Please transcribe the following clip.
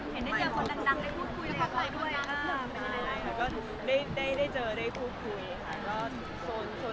เห็นได้เจอคนดังได้พูดคุยทักอะไรด้วย